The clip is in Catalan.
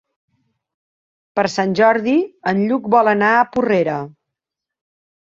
Per Sant Jordi en Lluc vol anar a Porrera.